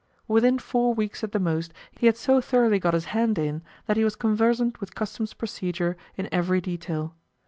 Within four weeks at the most he had so thoroughly got his hand in that he was conversant with Customs procedure in every detail.